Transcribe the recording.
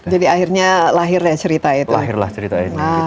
jadi akhirnya lahir lah cerita itu lahir lah cerita ini